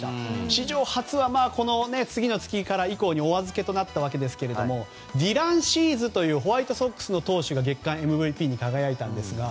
史上初は、この次の月以降におあずけとなったということですがディラン・シーズというホワイトソックスの投手が月間ＭＶＰに輝きました。